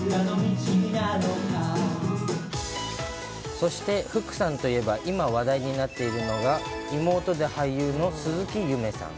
そして福さんといえば今、話題になっているのが妹で俳優の鈴木夢さん。